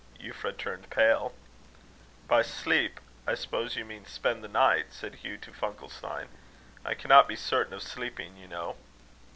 Euphra turned pale. "By sleep I suppose you mean spend the night?" said Hugh to Funkelstein. "I cannot be certain of sleeping, you know."